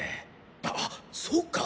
あっそうか。